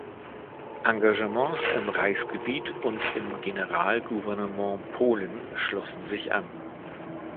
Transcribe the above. Engagements im Reichsgebiet und im Generalgouvernement Polen schlossen sich an.